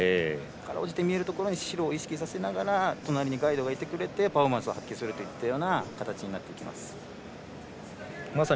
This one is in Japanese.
かろうじて見えるところに白を意識させながら隣にガイドがいてくれてパフォーマンスを発揮するといった形になってきます。